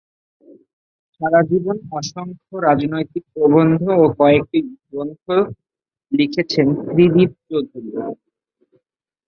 সারাজীবন অসংখ্য রাজনৈতিক প্রবন্ধ ও কয়েকটি গ্রন্থ লিখেছেন ত্রিদিব চৌধুরী।